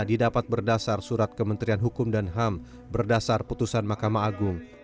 didapat berdasar surat kementerian hukum dan ham berdasar putusan mahkamah agung